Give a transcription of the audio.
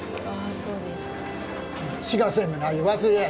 そうですか。